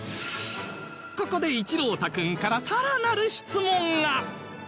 ここで一朗太君からさらなる質問が！